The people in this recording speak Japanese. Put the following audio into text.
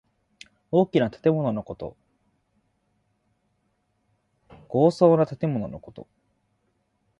大きな建物のこと。豪壮な建物のこと。